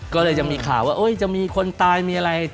ก็เลยจะมีข่าวว่าจะมีคนตายมีอะไร